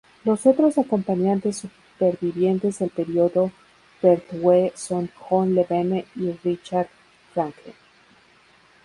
Los otros acompañantes supervivientes del periodo Pertwee son John Levene y Richard Franklin.